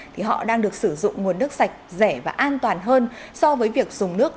thì họ đang được sử dụng nguồn nước sạch rẻ và an toàn hơn so với việc dùng nước